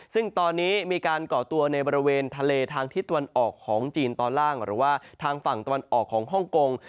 ซึ่งตอนนี้มีการก่อตัวในบริเวณทะเลทางทิศตะวันออกของจีนตอนล่างหรือว่าทางฝั่งตะวันออกของฮ่องกง